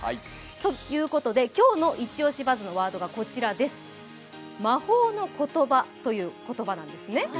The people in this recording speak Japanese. ということで、今日のイチオシバズのワードが魔法の言葉という言葉なんですね。